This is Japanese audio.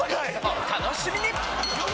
お楽しみに！